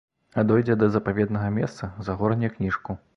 А дойдзе да запаветнага месца, загорне кніжку.